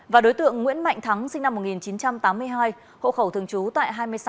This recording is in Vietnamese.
và đối tượng nguyễn mạnh thắng sinh năm một nghìn chín trăm tám mươi hai hộ khẩu thường trú tại hai mươi sáu